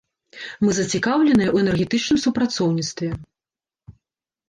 Мы зацікаўленыя ў энергетычным супрацоўніцтве.